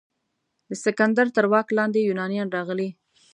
د سکندر تر واک لاندې یونانیان راغلي.